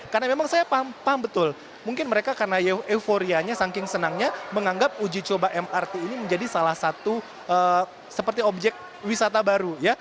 karena memang saya paham betul mungkin mereka karena euforianya saking senangnya menganggap uji coba mrt ini menjadi salah satu seperti objek wisata baru ya